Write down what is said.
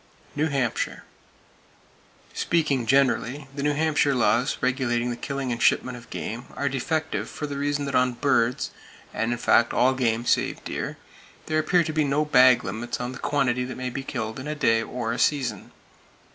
New Hampshire: Speaking generally, the New Hampshire laws regulating the killing and shipment of game are defective for the reason that on birds, and in fact all game save deer, there appear to be no "bag" limits on the quantity that may be killed in a day or a season.